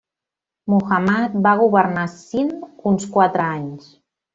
Muhammad va governar Sind uns quatre anys.